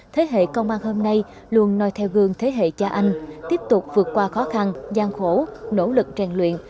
thế hệ công an hôm nay luôn nói theo gương thế hệ cha anh tiếp tục vượt qua khó khăn gian khổ nỗ lực rèn luyện